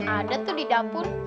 ada tuh di dapur